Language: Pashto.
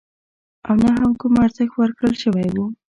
او نه هم کوم ارزښت ورکړل شوی وو.